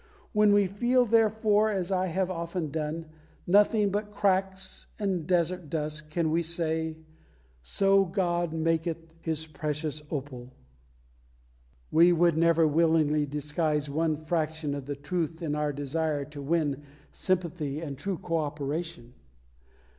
When we feel, therefore, as I have often done, nothing but cracks and desert dust, we can say: So God maketh His precious opal!" We would never willingly disguise one fraction of the truth in our desire to win sympathy and true co operation.